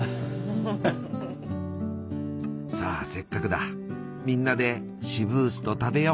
さあせっかくだみんなでシブースト食べよう。